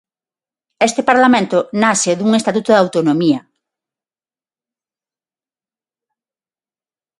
Este Parlamento nace dun estatuto de autonomía.